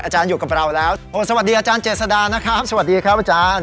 อยู่กับเราแล้วโอ้สวัสดีอาจารย์เจษดานะครับสวัสดีครับอาจารย์